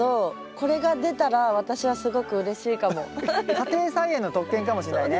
家庭菜園の特権かもしれないね。